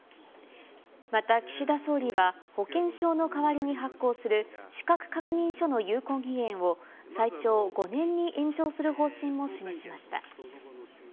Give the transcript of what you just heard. また岸田総理は、保険証の代わりに発行する、資格確認書の有効期限を最長５年に延長する方針も示しました。